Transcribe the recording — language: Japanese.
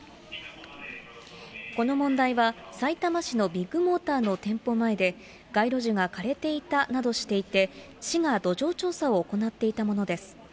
この問題は、さいたま市のビッグモーターの店舗前で、街路樹が枯れていたなどしていて、市が土壌調査を行っていたものです。